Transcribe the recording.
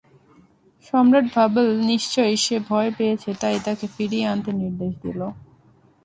সম্রাট ভাবল, নিশ্চয় সে ভয় পেয়েছে তাই তাকে ফিরিয়ে আনতে নির্দেশ দিল।